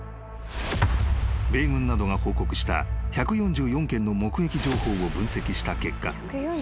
［米軍などが報告した１４４件の目撃情報を分析した結果